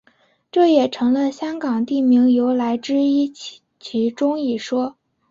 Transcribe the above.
这也成了香港地名由来之其中一说。